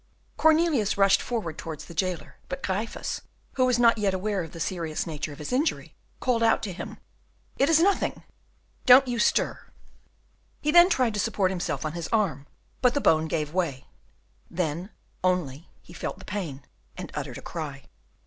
Cornelius rushed forward towards the jailer, but Gryphus, who was not yet aware of the serious nature of his injury, called out to him, "It is nothing: don't you stir." He then tried to support himself on his arm, but the bone gave way; then only he felt the pain, and uttered a cry.